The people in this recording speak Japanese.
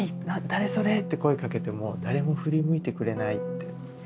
誰それ！」って声かけても誰も振り向いてくれないって。